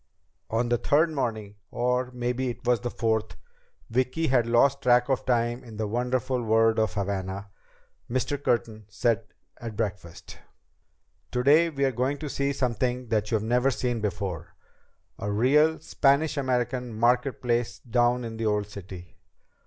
On the third morning or maybe it was the fourth, Vicki had lost track of time in the wonderful world of Havana Mr. Curtin said at breakfast: "Today we're going to see something that you've never seen before, a real Spanish American market place down in the Old City."